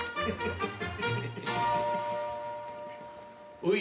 おい。